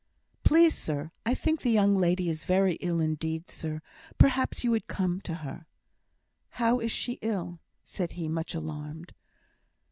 "Please, sir, I think the young lady is very ill indeed, sir; perhaps you would please to come to her." "How is she ill?" said he, much alarmed.